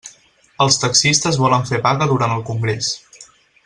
Els taxistes volen fer vaga durant el congrés.